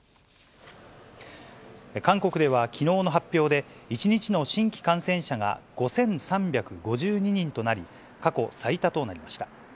韓国ではきのうの発表で、１日の新規感染者が５３５２人となり、過去最多となりました。